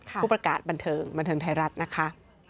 ผู้ประกาศบันเทิงบันเทิงไทยรัฐนะคะ